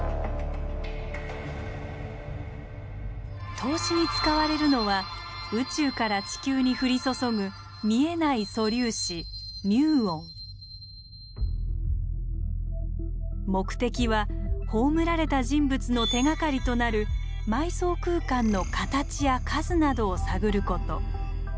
透視に使われるのは宇宙から地球に降り注ぐ見えない素粒子目的は葬られた人物の手がかりとなる埋葬空間の形や数などを探ること。